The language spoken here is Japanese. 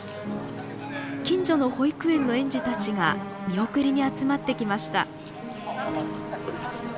近所の保育園の園児たちが見送りに集まってきました。